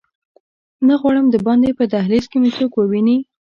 نه غواړم دباندې په دهلېز کې مې څوک وویني.